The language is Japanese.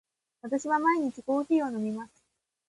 私は毎日コーヒーを飲みます。